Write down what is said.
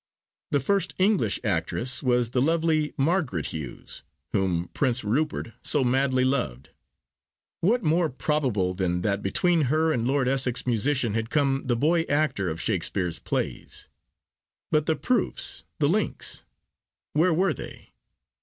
The first English actress was the lovely Margaret Hews, whom Prince Rupert so madly loved. What more probable than that between her and Lord Essex's musician had come the boy actor of Shakespeare's plays? But the proofs, the links—where were they?